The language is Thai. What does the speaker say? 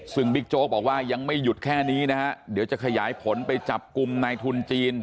ซึ่งบิ๊กโจ๊กบอกว่ายังไม่หยุดแค่นี้นะฮะเดี๋ยวจะขยายผลไปจับกลุ่มนายทุนจีน